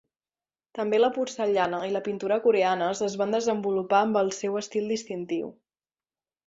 També la porcellana i la pintura coreanes es van desenvolupar amb el seu estil distintiu.